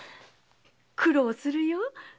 苦労するよ。